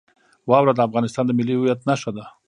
واوره د افغانستان د ملي هویت نښه ده.